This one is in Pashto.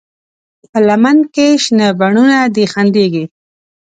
په لمن کې شنه بڼوڼه دي خندېږي